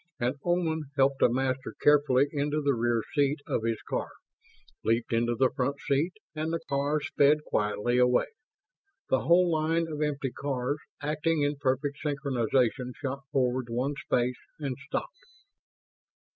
An Oman helped a Master carefully into the rear seat of his car, leaped into the front seat and the car sped quietly away. The whole line of empty cars, acting in perfect synchronization, shot forward one space and stopped.